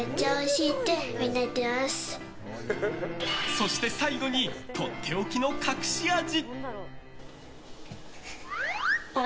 そして、最後にとっておきの隠し味。